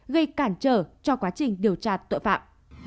gây cản trở cho quá trình điều tra tội phạm